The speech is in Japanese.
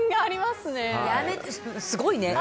すごいね。